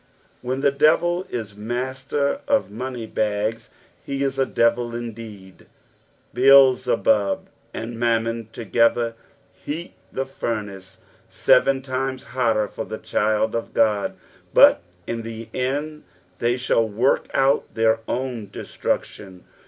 When the devil is master of money bags, be is a devil indeed. Beelzebub and Mammon together heat the furnace seren times hotter for the child of God, but in the end tbey shall wurk out their own destruction.